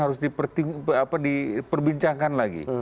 harus diperbincangkan lagi